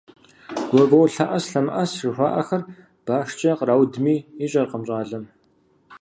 «Глагол лъэӀэс, лъэмыӀэс» жыхуаӀэхэр башкӀэ къраудми ищӀэркъым щӀалэм.